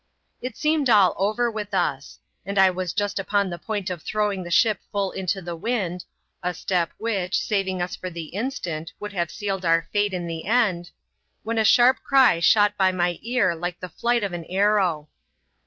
It seemed all over with us; and I^was just upon the point of throwing the ship full into the wind (a step which, saving us for the instant, would have sealed our fate in the end), when a sharp cry shot by my ear like the flight of an arrow.